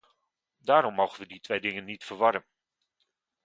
Daarom mogen we die twee dingen niet verwarren.